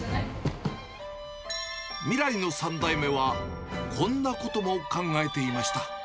未来の３代目は、こんなことも考えていました。